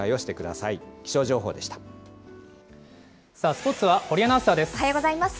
スポーツは堀アナウンサーです。